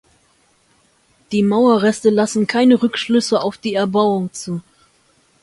Die Mauerreste lassen keine Rückschlüsse auf die Erbauung zu.